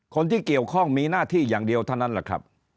คนที่เกี่ยวข้องมีหน้าที่อย่างเดียวเท่านั้นแหละครับ